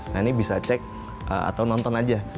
nah ini bisa cek atau nonton aja acara di epic living ini